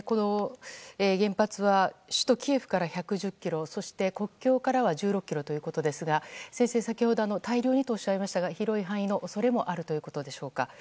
原発は首都キエフから１１０ｋｍそして国境からは１６ｋｍということですが先生、先ほど大量にとおっしゃいましたが広い範囲の恐れもあるということでしょうか？